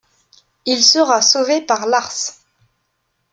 Il sera sauvé par Lars.